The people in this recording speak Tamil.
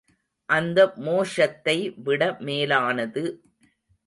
அந்த மோஷத்தை விட மேலானது.